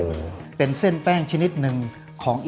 มันเส้นแป้งขนิดหนึ่งของ